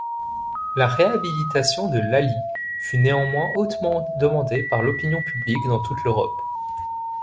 La réhabilitation de Lally fut néanmoins hautement demandée par l’opinion publique dans toute l’Europe.